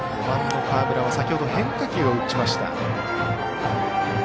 ４番の河村は先ほど変化球を打ちました。